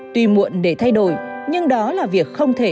tuy muộn để thay đổi nhưng đó là việc không thể